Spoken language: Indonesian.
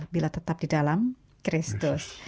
bila tetap di dalam kristus